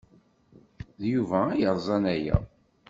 D Yuba ay yerẓan aya.